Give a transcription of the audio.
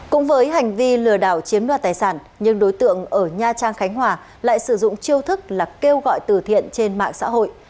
cũng với hành vi lừa đảo chiếm đoạt tài sản nhưng đối tượng ở nha trang khánh hòa lại sử dụng chiêu thức là kêu gọi từ thiện trên mạng xã hội